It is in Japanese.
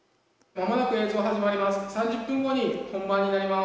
まもなく映像始まります。